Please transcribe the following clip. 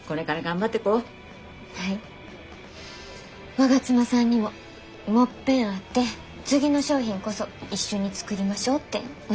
我妻さんにももっぺん会って次の商品こそ一緒に作りましょうってお願いしてみます。